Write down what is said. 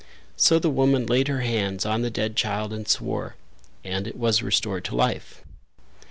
So the woman laid her hands on the dead child and swore, and it was restored to life.